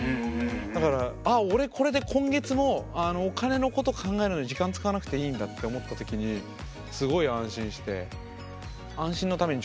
だからああ俺これで今月もうお金のこと考えるのに時間使わなくていいんだって思った時にすごい安心して。